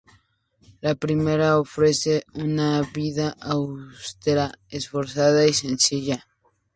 La primera ofrece una vida austera, esforzada y sencilla.